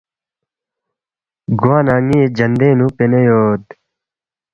گوانہ ن٘ی جندِنگ نُو پینے یود